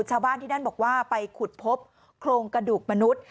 ชาวบ้านที่นั่นบอกว่าไปขุดพบโครงกระดูกมนุษย์